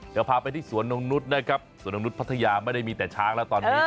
เดี๋ยวพาไปที่สวนนกนุษย์นะครับสวนนกนุษย์พัทยาไม่ได้มีแต่ช้างแล้วตอนนี้